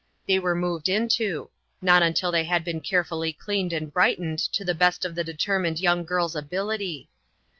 They were moved into ; not until they had been carefully cleaned and brightened to the best of the determined young girl's ability.